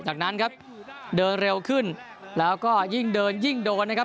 จากนั้นครับเดินเร็วขึ้นแล้วก็ยิ่งเดินยิ่งโดนนะครับ